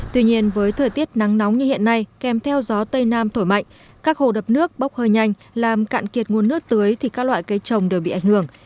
tuy nhiên với thời tiết nắng nóng như hiện nay kèm theo gió tây nam thổi mạnh các hồ đập nước bốc hơi nhanh làm cạn kiệt nguồn nước tưới thì các loại cây trồng đều bị ảnh hưởng